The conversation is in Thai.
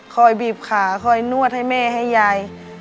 บีบขาคอยนวดให้แม่ให้ยาย